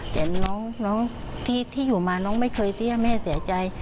แต่น้องที่อยู่มาน้องไม่เคยเสียแม่เสียใจ